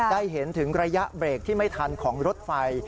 ได้เห็นถึงระยะเบรกที่ไม่ทันของรถไฟ